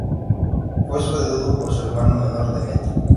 Fue sucedido por su hermano menor Demetrio.